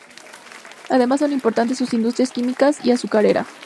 Además son importantes sus industrias química y azucarera.